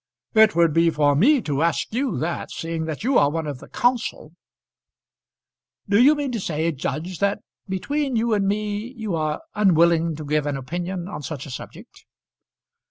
"It would be for me to ask you that, seeing that you are one of the counsel." "Do you mean to say, judge, that between you and me you are unwilling to give an opinion on such a subject?"